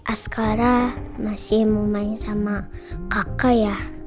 askara masih mau main sama kakek ya